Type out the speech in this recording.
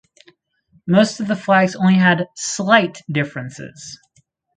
Most of the flags only had slight differences.